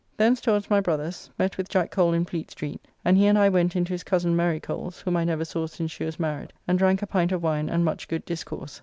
Thence towards my brother's; met with Jack Cole in Fleet Street, and he and I went into his cozen Mary Cole's (whom I never saw since she was married), and drank a pint of wine and much good discourse.